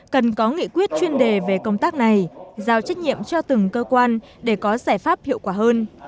cần có nghị quyết chuyên đề về công tác này giao trách nhiệm cho từng cơ quan để có giải pháp hiệu quả hơn